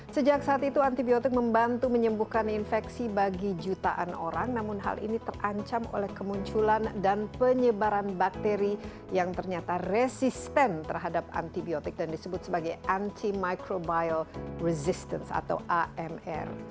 sejak saat itu antibiotik membantu menyembuhkan infeksi bagi jutaan orang namun hal ini terancam oleh kemunculan dan penyebaran bakteri yang ternyata resisten terhadap antibiotik dan disebut sebagai anti microbile resistance atau amr